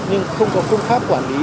nhưng không có phương pháp quản lý